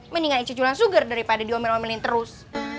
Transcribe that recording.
mendingan icu jualan sugar daripada diomelin omelin terus